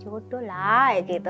ya nunggu nunggu